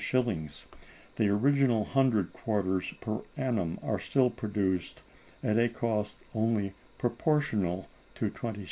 _, the original hundred quarters per annum are still produced at a cost only proportional to 20_s.